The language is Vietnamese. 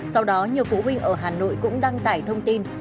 sau đó nhiều phụ huynh ở hà nội cũng đăng tải thông tin